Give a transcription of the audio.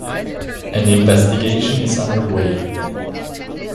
An investigation is underway.